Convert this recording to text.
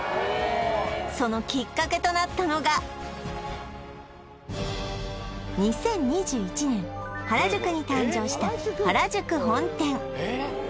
そのきっかけとなったのが２０２１年原宿に誕生した原宿本店